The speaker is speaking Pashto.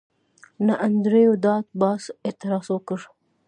نه انډریو ډاټ باس اعتراض وکړ